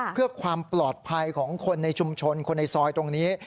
เพื่อความปลอดภัยของคนในชุมชนคนในซอยตรงนี้